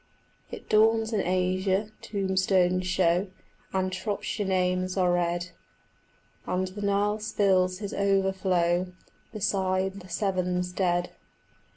It dawns in Asia, tombstones show And Shropshire names are read; And the Nile spills his overflow Beside the Severn's dead.